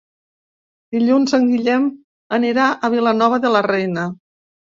Dilluns en Guillem anirà a Vilanova de la Reina.